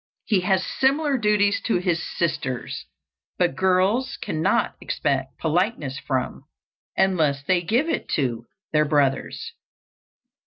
He has similar duties to his sisters; but girls cannot expect politeness from, unless they give it to, their brothers.